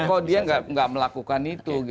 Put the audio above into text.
kok dia tidak melakukan itu